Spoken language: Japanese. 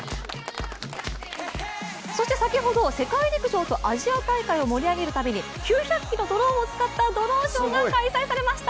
そして先ほど、世界陸上とアジア大会を盛り上げるために９００基のドローンを使ったドローンショーが開催されました。